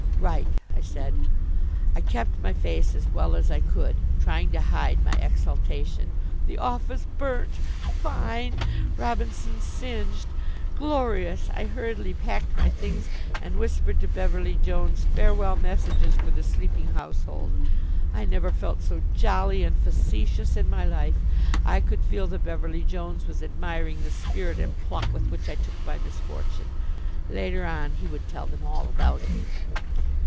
"Right," I said. I kept my face as well as I could, trying to hide my exultation. The office burnt! Fine! Robinson's singed! Glorious! I hurriedly packed my things and whispered to Beverly Jones farewell messages for the sleeping household. I never felt so jolly and facetious in my life. I could feel that Beverly Jones was admiring the spirit and pluck with which I took my misfortune. Later on he would tell them all about it.